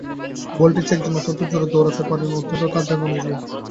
বোল্টের চেয়ে একজন অন্তত জোরে দৌড়াতে পারেন, অন্তত তাঁর দাবি অনুযায়ী।